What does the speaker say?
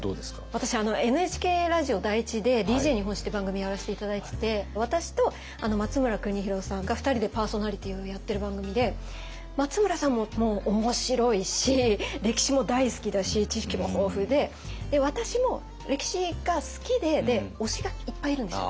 私ＮＨＫラジオ第１で「ＤＪ日本史」って番組やらせて頂いてて私と松村邦洋さんが２人でパーソナリティーをやってる番組で松村さんもおもしろいし歴史も大好きだし知識も豊富で私も歴史が好きで推しがいっぱいいるんですよ